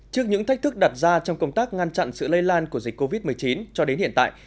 trước những thách thức đặt ra trong công tác ngăn chặn sự lây lan của dịch covid một mươi chín cho đến hiện tại